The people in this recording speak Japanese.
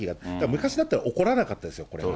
昔だったら起こらなかったですよ、これは。